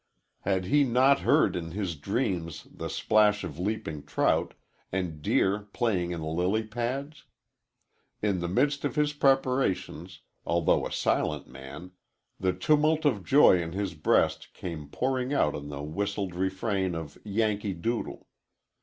Had he not heard in his dreams the splash of leaping trout, and deer playing in the lily pads? In the midst of his preparations, although a silent man, the tumult of joy in his breast came pouring out in the whistled refrain of "Yankee Doodle."